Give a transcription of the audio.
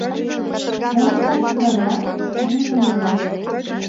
Мом ышташ тугайым, а?» — вуйжым луга.